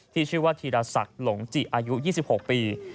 ที่ชื่อว่าธีรศักดิ์หลงจิอายุ๒๖ปี